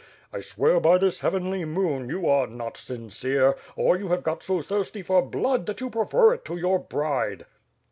I swear by this heavenly moon, you are not sincere; or you have got so thirsty for blood that you prefer it to your bride."